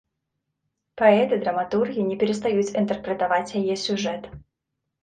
Паэты, драматургі не перастаюць інтэрпрэтаваць яе сюжэт.